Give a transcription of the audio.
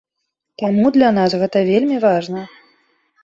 Таму для нас гэта вельмі важна!